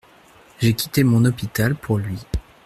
J’ai quitté mon hôpital pour lui.